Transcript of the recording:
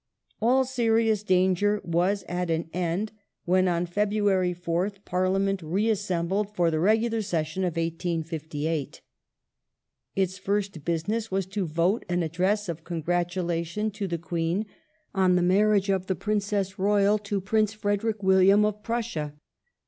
All serious danger was at an end when, on February 4th, Par The Or liament reassembled for the regular session of 1858. Its first ^'^^J^^g business was to vote an address of congratulation to the Queen on the marriage of the Princess Royal to Prince Frederick William I of Prussia.